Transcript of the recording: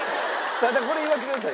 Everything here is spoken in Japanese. ただこれ言わせてください。